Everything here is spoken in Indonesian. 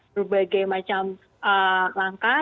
berbagai macam langkah